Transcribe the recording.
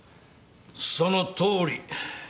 そのとおり。